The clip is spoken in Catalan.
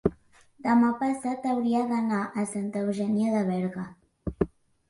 demà passat hauria d'anar a Santa Eugènia de Berga.